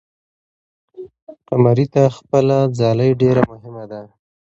قمري ته خپله ځالۍ ډېره مهمه ده.